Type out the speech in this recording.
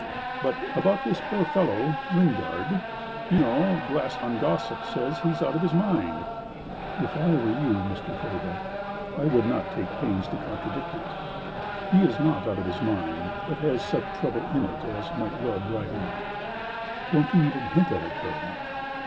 But about this poor fellow, Lingard. You know Glaston gossip says he is out of his mind." "If I were you, Mr. Faber, I would not take pains to contradict it. He is not out of his mind, but has such trouble in it as might well drive him out. Don't you even hint at that, though."